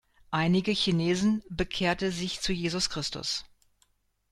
Einige Chinesen bekehrte sich zu Jesus Christus.